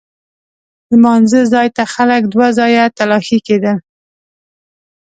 لمانځه ځای ته خلک دوه ځایه تلاښي کېدل.